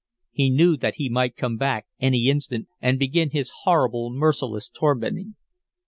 He knew that he might come back any instant and begin his horrible, merciless tormenting.